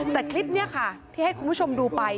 แต่คลิปนี้ค่ะที่ให้คุณผู้ชมดูไป